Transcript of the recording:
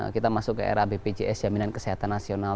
kita masuk ke era bpjs jaminan kesehatan nasional